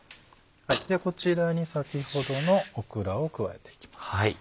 ではこちらに先ほどのオクラを加えていきます。